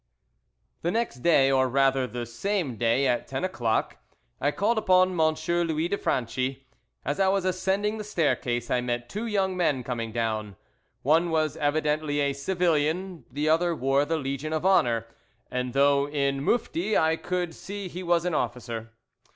THE next day, or rather the same day, at ten o'clock, I called upon M. Louis de Franchi. As I was ascending the staircase, I met two young men coming down. One was evidently a civilian, the other wore the Legion of Honour, and though in mufti I could see he was an officer.